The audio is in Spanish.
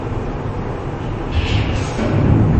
Cada doble quiere hacerse cargo del cuerpo correspondiente.